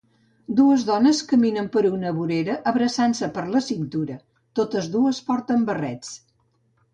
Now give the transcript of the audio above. Dues dones que caminen per una vorera abraçant-se per la cintura, totes dues porten barrets.